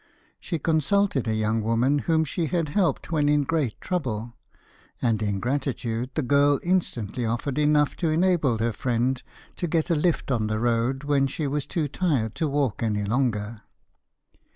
She consulted a young woman whom she had helped when in great trouble, and in gratitude, the girl instantly offered enough to enable her friend to get a lift on the road when she was too tired to walk any longer.